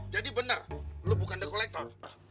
jadi bener lo bukan the kolektor